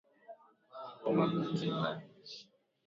kama katiba ya nchi